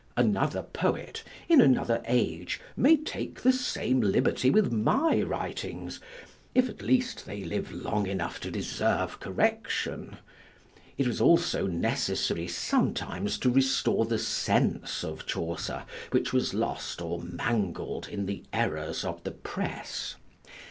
Another poet, in another age, may take the same liberty with my writings; if at least they live long enough to deserve correction. It was also necessary sometimes to restore the sense of Chaucer, which was lost or mangled in the errors of the press.